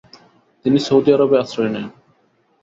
তিনি সৌদি আরবে আশ্রয় নেন।